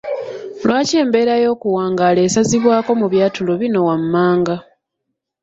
Lwaki embeera y’okuwangaala esazibwako mu byatulo bino wammanga?